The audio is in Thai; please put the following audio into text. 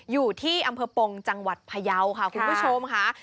อยู่ที่อำเภอปงจังหวัดพยาวค่ะคุณผู้ชมค่ะ